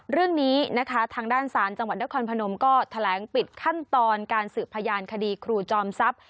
เรื่องนี้นะคะทางด้านศาลจังหวัดนครพนมก็แถลงปิดขั้นตอนการสืบพยานคดีครูจอมทรัพย์